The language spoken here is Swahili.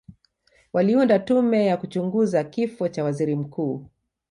waliunda tume ya kuchunguza kifo cha waziri mkuu